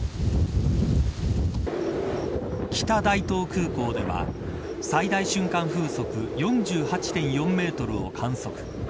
北大東空港では最大瞬間風速４８．４メートルを観測。